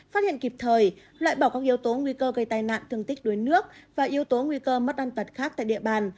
phát hiện kịp thời loại bỏ các yếu tố nguy cơ gây tai nạn thương tích đuối nước và yếu tố nguy cơ mất an tật khác tại địa bàn